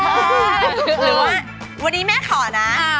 หรือว่าวันนี้แม่ขอนะ